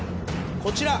こちら。